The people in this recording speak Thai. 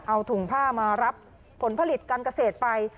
เอาถุงผ้ามารับผลผลิตการเกษตรไป